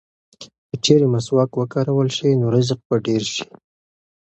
که چېرې مسواک وکارول شي نو رزق به ډېر شي.